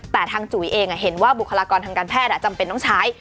แต่ทางจุ๋ยเองเห็นว่าบุคลากรทางการแพทย์จำเป็นต้องใช้